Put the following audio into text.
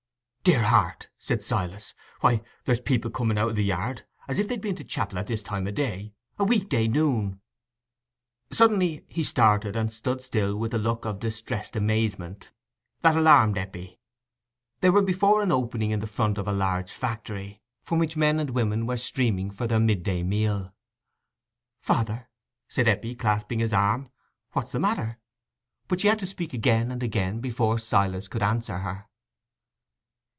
"Dear heart!" said Silas, "why, there's people coming out o' the Yard as if they'd been to chapel at this time o' day—a weekday noon!" Suddenly he started and stood still with a look of distressed amazement, that alarmed Eppie. They were before an opening in front of a large factory, from which men and women were streaming for their midday meal. "Father," said Eppie, clasping his arm, "what's the matter?" But she had to speak again and again before Silas could answer her.